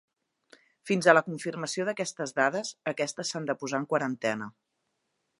Fins a la confirmació d'aquestes dades, aquestes s'han de posar en quarantena.